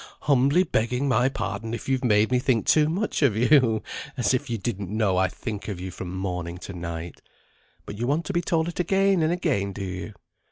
'Humbly begging my pardon if you've made me think too much of you.' As if you didn't know I think of you from morning to night. But you want to be told it again and again, do you?"